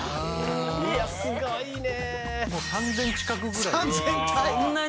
いやすごいね。